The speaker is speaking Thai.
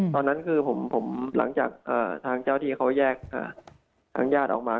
ตอนนั้นคือผมหลังจากทางเจ้าที่เขาแยกทางญาติออกมา